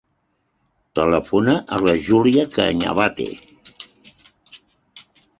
Telefona a la Júlia Cañabate.